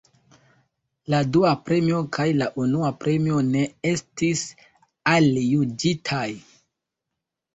La dua premio kaj la unua premio ne estis aljuĝitaj.